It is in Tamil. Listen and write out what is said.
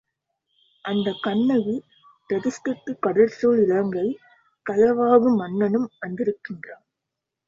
அந்தக் கண்ணகி பிரதிஷ்டைக்கு கடல் சூழ் இலங்கைக் கயவாகு மன்னனும் வந்திருந்திருக்கிறான்.